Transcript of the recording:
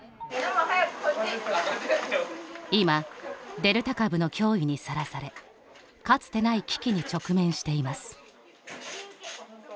今、デルタ株の脅威にさらされかつてない危機に直面しています。